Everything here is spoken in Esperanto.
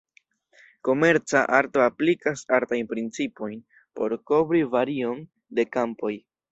Komerca arto aplikas artajn principojn por kovri varion de kampoj.